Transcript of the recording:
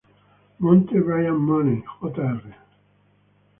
Monte Bryan Money Jr.